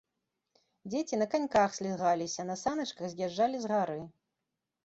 Дзеці на каньках слізгаліся, на саначках з'язджалі з гары.